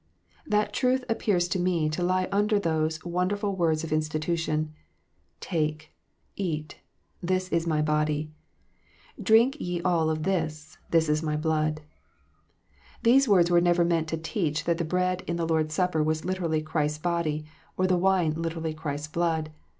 That truth appears to me to lie under those wonderful words of institution, " Take, eat: this is My body." "Drink ye all of this: this is My blood." Those words were never meant to teach that the bread in the Lord s Supper was literally Christ s body, or the Avine literally Christ s blood.